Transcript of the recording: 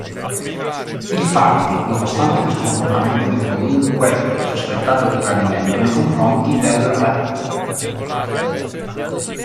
Il Fanti nonostante questo comportamento venne comunque sospettato di tradimento nei confronti del re.